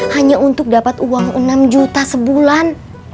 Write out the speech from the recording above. hanya untuk dapat uang enam juta sebulan